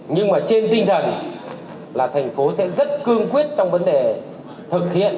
nhưng mà trên tinh thần là thành phố sẽ rất cương quyết trong vấn đề thực hiện